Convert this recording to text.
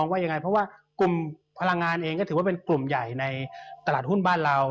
ว่ายังไงกลุ่มพลังงานเองก็ถือว่ากลุ่มใหญ่ใตลาดบ้านเรา